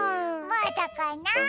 まだかな？